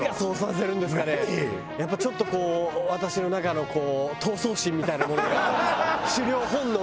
やっぱちょっとこう私の中の闘争心みたいなものが。